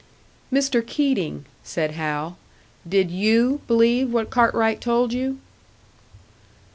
"Mr. Keating," said Hal, "did you believe what Cartwright told you?"